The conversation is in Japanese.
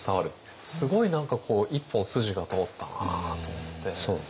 すごい何かこう一本筋が通ったなと思って。